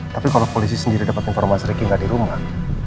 tapi kalau polisi sendiri dapat informasi riki nggak di rumah